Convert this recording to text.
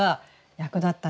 役立った？